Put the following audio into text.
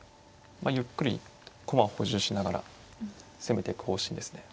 まあゆっくり駒を補充しながら攻めてく方針ですね。